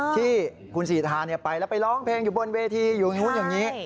ที่คุณสีทานี่ไปแล้วไปร้องเพลงอยู่บนเวทีกูยังงี้